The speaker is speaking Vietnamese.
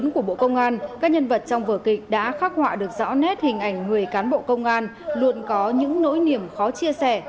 các họa được rõ nét hình ảnh người cán bộ công an luôn có những nỗi niềm khó chia sẻ